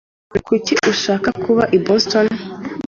Kuki ushaka kuba i Boston?